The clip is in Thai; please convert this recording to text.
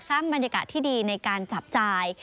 สร้างบรรยากาศที่ดีในการจับจ่าย